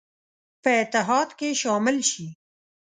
په اتحاد کې شامل شي.